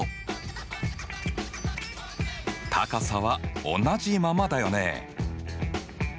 高さは同じままだよね。